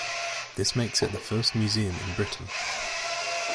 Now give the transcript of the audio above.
This makes it the first museum in Britain.